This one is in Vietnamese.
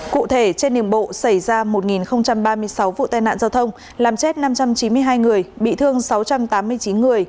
cụ thể trên đường bộ xảy ra một ba mươi sáu vụ tai nạn giao thông làm chết năm trăm chín mươi hai người bị thương sáu trăm tám mươi chín người